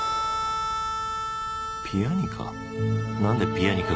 ピアニカ？